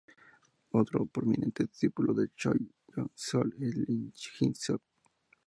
Otro prominente discípulo de Choi Yong Sul es Lim Hyun Soo.